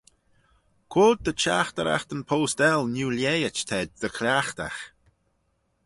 Quoid dy çhaghteraghtyn post-l neu-lhaihit t'ayd dy cliaghtagh?